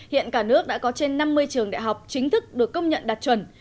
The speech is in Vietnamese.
hiện cả nước đã có trên năm mươi trường đại học chính thức được công nhận đạt chuẩn